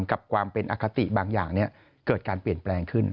กับความเป็นอคติบางอย่างเกิดการเปลี่ยนแปลงขึ้น